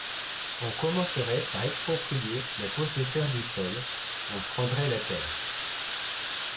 On commencerait par exproprier les possesseurs du sol, on prendrait la terre. ..